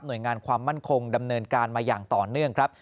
โดยงานความมั่นคงดำเนินการมาอย่างต่อเนื่องครับ